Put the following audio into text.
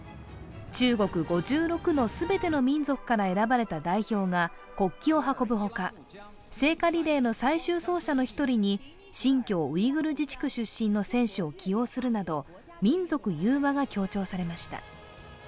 中国５６の全ての民族から選ばれた代表が国旗を運ぶほか、聖火リレーの最終１人に新疆ウイグル自治区出身の選手を起用するなど民族融和が強調されました。